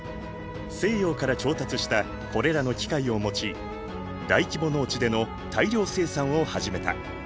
西洋から調達したこれらの機械を用い大規模農地での大量生産を始めた。